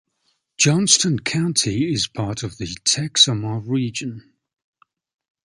Johnston County is part of the Texoma Region.